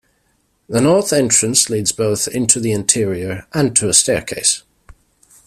The north entrance leads both into the interior and to a staircase.